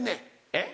えっ？